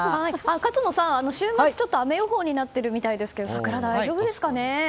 勝野さん、週末ちょっと雨予報になっているみたいですけど桜は大丈夫ですかね。